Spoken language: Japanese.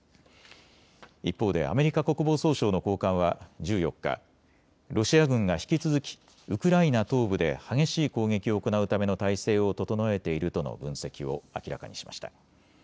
一方でアメリカ国防総省の高官は１４日、ロシア軍が引き続きウクライナ東部で激しい攻撃を行うための態勢を整えているとの分析を明らかにしました。